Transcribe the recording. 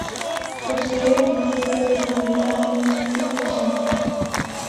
Posee un suelo irregular y un pico central.